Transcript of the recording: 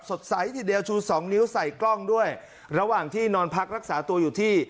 สดใสทีเดียวชูสองนิ้วใส่กล้องด้วยระหว่างที่นอนพักรักษาตัวอยู่ที่